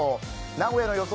名古屋の予想